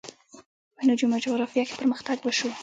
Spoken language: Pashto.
په نجوم او جغرافیه کې پرمختګ وشو.